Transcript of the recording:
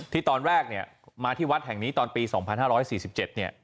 ที่ตอนแรกเนี้ยมาที่วัดแห่งนี้ตอนปีสองพันห้าร้อยสี่สิบเจ็ดเนี้ย